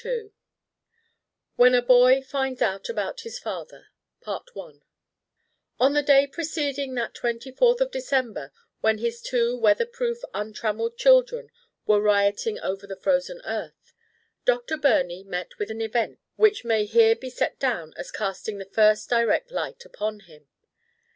II WHEN A BOY FINDS OUT ABOUT HIS FATHER ON the day preceding that twenty fourth of December when his two weather proof untrammelled children were rioting over the frozen earth, Dr. Birney met with an event which may here be set down as casting the first direct light upon him.